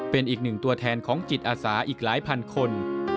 เป็นอีกหนึ่งตัวแทนของจิตอาสาอีกหลายพันคน